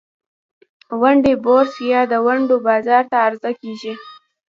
ونډې بورس یا د ونډو بازار ته عرضه کیږي.